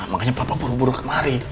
makanya bapak buru buru kemari